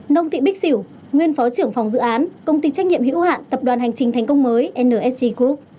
nông thị bích xỉu nguyên phó trưởng phòng dự án công ty trách nhiệm hữu hạn tập đoàn hành trình thành công mới nsg group